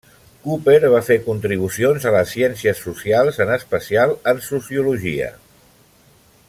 Cooper va fer contribucions a les ciències socials, en especial en sociologia.